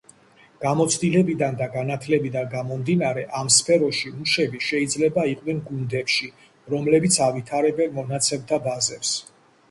გამოცდილებიდან და განათლებიდან გამომდინარე, ამ სფეროში მუშები შეიძლება იყვნენ გუნდებში, რომლებიც ავითარებენ მონაცემთა ბაზებს.